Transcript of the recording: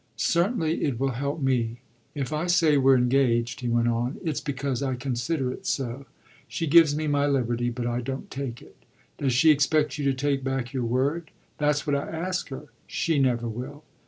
"Certainly it will help me. If I say we're engaged," he went on, "it's because I consider it so. She gives me my liberty, but I don't take it." "Does she expect you to take back your word?" "That's what I ask her. She never will.